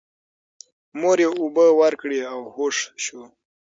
مور یې اوبه ورکړې او هوښ شو.